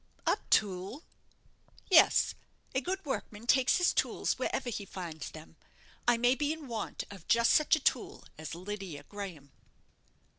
"A tool?" "Yes; a good workman takes his tools wherever he finds them. I may be in want of just such a tool as Lydia Graham."